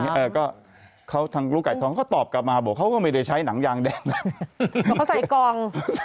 แล้วก็เค้ารูกไก่ทองเขาก็ตอบกลับมาบอกว่าเขาก็ไม่ได้ใช้หนังยางแดง